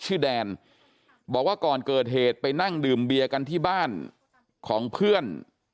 แดนบอกว่าก่อนเกิดเหตุไปนั่งดื่มเบียร์กันที่บ้านของเพื่อน